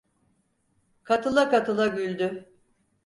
Katıla katıla güldü…